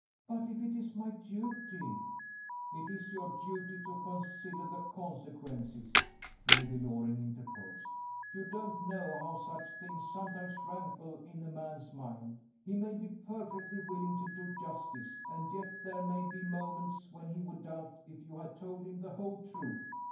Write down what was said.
"But if it is my duty " "It is your duty to consider the consequences," Lady Loring interposed. "You don't know how such things sometimes rankle in a man's mind. He may be perfectly willing to do you justice and yet, there may be moments when he would doubt if you had told him the whole truth.